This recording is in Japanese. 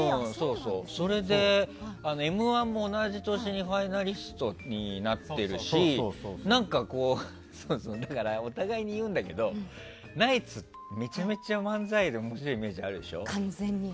それで「Ｍ‐１」も同じ年のファイナリストになってるしお互いに言うんだけどナイツってめちゃめちゃ漫才が面白いイメージがあるでしょ？